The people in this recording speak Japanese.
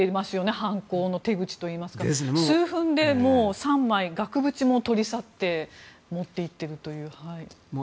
犯行の手口といいますか数分で３枚、額縁も取り去って持っていっているという。